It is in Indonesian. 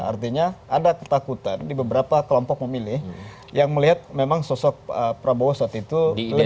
artinya ada ketakutan di beberapa kelompok memilih yang melihat memang sosok prabowo saat itu lebih